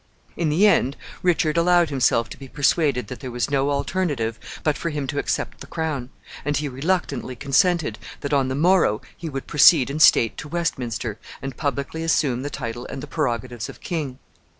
] In the end, Richard allowed himself to be persuaded that there was no alternative but for him to accept the crown, and he reluctantly consented that, on the morrow, he would proceed in state to Westminster, and publicly assume the title and the prerogatives of king.